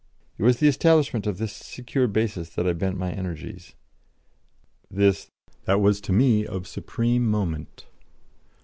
It was to the establishment of this secure basis that I bent my energies, this that was to me of supreme moment.